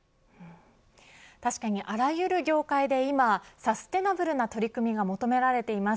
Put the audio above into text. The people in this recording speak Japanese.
確かに荒れる業界で今サステナブルな取り組みが求められています。